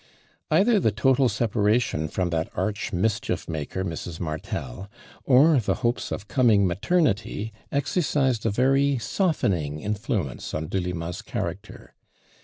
Either the total separation from that arch mischief maker, Mrs. Martel, or the hopes •f coming maternity exercised a very soft ening influence on Delima's character.